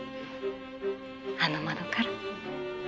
「あの窓から」